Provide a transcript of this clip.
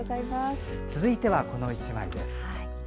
続いては、この１枚です。